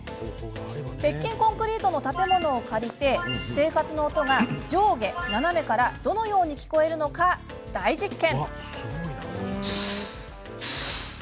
鉄筋コンクリートの建物を借り生活の音が上下、斜めからどのように聞こえるのか大実験。